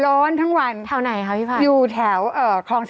ร้อนทั้งวันเหรอแถวไหนครับพี่ฝันอยู่แถวคลอง๑๒